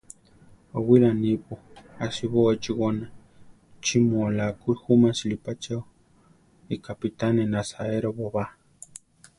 Ówila nipo; ásiboo échi goná; ¿chí mu oláa ku júmasili pa cheo? ikápitane nasaérobo ba.